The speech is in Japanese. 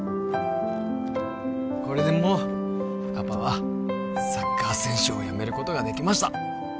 これでもうパパはサッカー選手をやめることができました